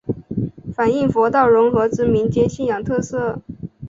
反应佛道融合之民间信仰特色。